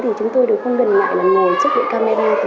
thì chúng tôi đều không gần lại là ngồi chấp nhận camera